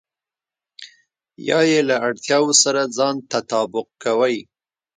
يا يې له اړتياوو سره ځان تطابق کوئ.